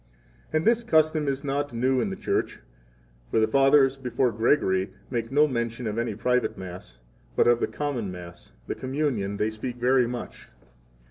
35 And this custom is not new in the Church; for the Fathers before Gregory make no mention of any private Mass, but of the common Mass [the Communion] they speak very much.